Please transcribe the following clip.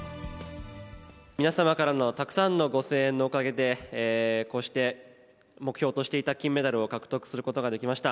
皆様からのたくさんのご声援のおかげで、こうして目標としていた金メダルを獲得することができました。